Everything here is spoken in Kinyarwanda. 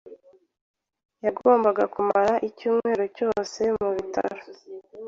Yagombaga kumara icyumweru cyose mu bitaro.